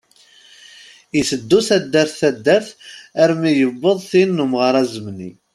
Iteddu taddart taddart armi yewweḍ tin n umɣar azemni.